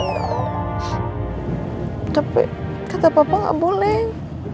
oh tapi kata papa gak boleh